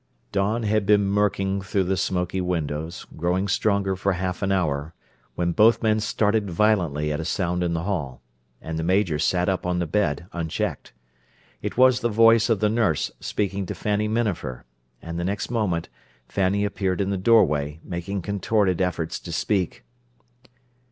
Dawn had been murking through the smoky windows, growing stronger for half an hour, when both men started violently at a sound in the hall; and the Major sat up on the bed, unchecked. It was the voice of the nurse speaking to Fanny Minafer, and the next moment, Fanny appeared in the doorway, making contorted efforts to speak.